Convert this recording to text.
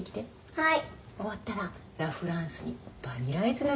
はい。